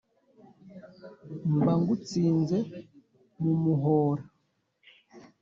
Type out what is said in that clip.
mba ngutsinze mu muhoora